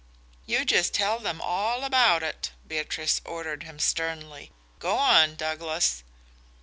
"You just tell them all about it," Beatrice ordered him sternly. "Go on, Douglas."